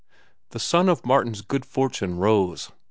The sun of Martin's good fortune rose.